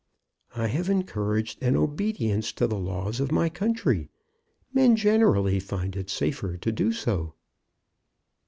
"I have encouraged an obedience to the laws of my country. Men generally find it safer to do so."